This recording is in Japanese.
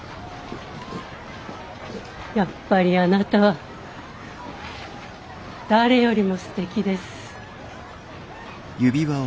やっぱりあなたは誰よりもすてきです。